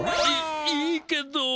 いいいけど。